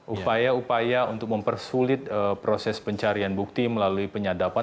upaya upaya untuk mempersulit proses pencarian bukti melalui penyadapan